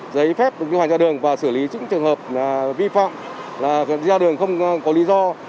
giấy phép đồng chí hoàng gia đường và xử lý những trường hợp vi phạm là gia đường không có lý do